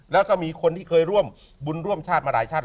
แล้วก็มีคนที่เคยร่วมบุญร่วมชาติมาหลายชาติ